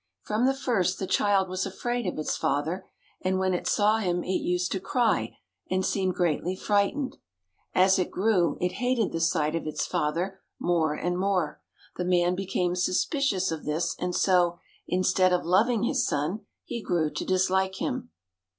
From the first the child was afraid of its father, and when it saw him it used to cry and seem greatly frightened. As it grew it hated the sight of its father more and more. The man became suspicious of this, and so, instead of loving his son, he grew to dislike him.